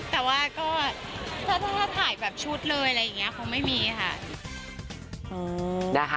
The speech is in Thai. แต่ว่าก็ถ้าถ่ายแบบชุดเลยอะไรอย่างนี้คงไม่มีค่ะ